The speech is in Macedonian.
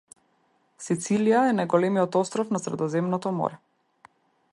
Сицилија е најголемиот остров на Средоземното Море.